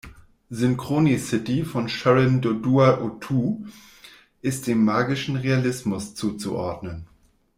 "Synchronicity" von Sharon Dodua Otoo ist dem magischen Realismus zuzuordnen.